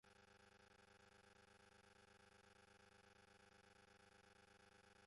La temporada se lleva a cabo generalmente entre septiembre y abril.